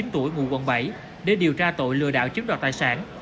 hai mươi chín tuổi ngụ quận bảy để điều tra tội lừa đảo chiếm đoạt tài sản